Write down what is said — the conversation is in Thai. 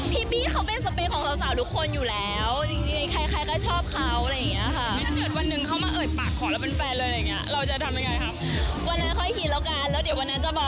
พี่บี้เขาเป็นสเปนของสาวทุกคนอยู่แล้ว